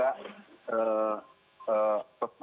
dan kemudian juga